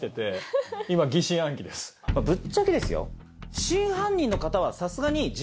ぶっちゃけですよ。